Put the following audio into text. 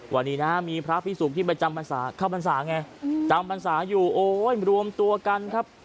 วันนี้นะมีพระพิสุขที่ประจำเข้าพรรษาไงจำพรรษาอยู่โอ้ยรวมตัวกันครับ